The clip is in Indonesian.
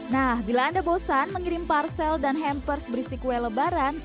nah bila anda bosan mengirim parcel dan hampers berisi kue lebaran